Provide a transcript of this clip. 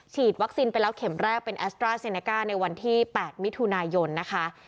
วัคซีนไปแล้วเข็มแรกเป็นแอสตราเซเนก้าในวันที่๘มิถุนายนนะคะ